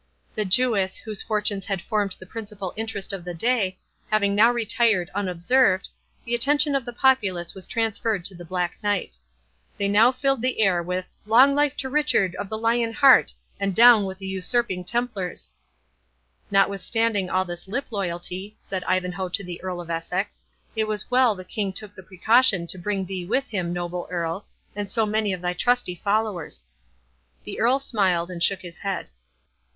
The Jewess, whose fortunes had formed the principal interest of the day, having now retired unobserved, the attention of the populace was transferred to the Black Knight. They now filled the air with "Long life to Richard with the Lion's Heart, and down with the usurping Templars!" "Notwithstanding all this lip loyalty," said Ivanhoe to the Earl of Essex, "it was well the King took the precaution to bring thee with him, noble Earl, and so many of thy trusty followers." The Earl smiled and shook his head.